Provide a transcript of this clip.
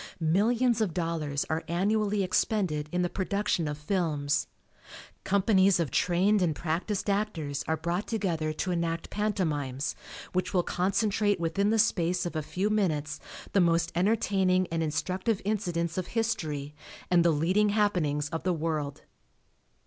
Millions of dollars are annually expended in the production of films. Companies of trained and practiced actors are brought together to enact pantomimes which will concentrate within the space of a few minutes the most entertaining and instructive incidents of history and the leading happenings of the world.